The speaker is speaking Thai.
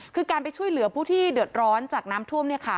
คือการไปช่วยเหลือผู้ที่เดือดร้อนจากน้ำท่วม